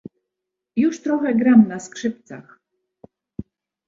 "Już trochę gram na skrzypcach."